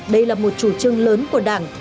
đây là một chủ trương lớn của đảng